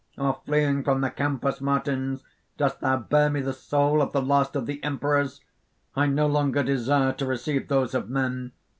or, fleeing from the Campus Martins, dost thou bear me the soul of the last of the Emperors? "I no longer desire to receive those of men.